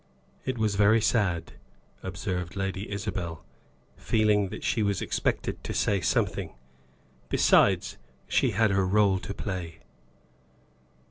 "It was very sad," observed Lady Isabel, feeling that she was expected to say something. Besides, she had her role to play.